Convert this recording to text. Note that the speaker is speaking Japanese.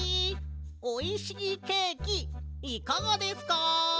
おいしいケーキいかがですか？